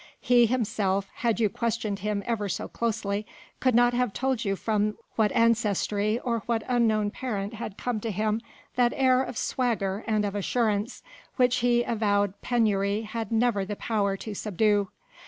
He himself, had you questioned him ever so closely, could not have told you from what ancestry or what unknown parent had come to him that air of swagger and of assurance which his avowed penury had never the power to subdue.